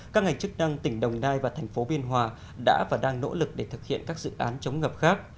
các ngành chức năng tỉnh đồng nai và thành phố biên hòa đã và đang nỗ lực để thực hiện các dự án chống ngập khác